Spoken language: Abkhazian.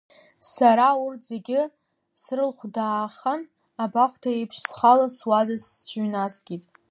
Сара урҭ зегьы срылхәдаахан, абахҭа еиԥш, схала суада сҽыҩнаскит.